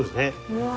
うわ！